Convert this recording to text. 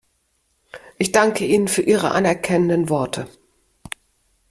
Ich danke Ihnen für Ihre anerkennenden Worte.